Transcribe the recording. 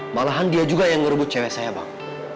malahan dia juga yang ngerebut cewek saya bang